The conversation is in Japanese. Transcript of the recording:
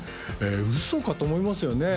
嘘かと思いますよね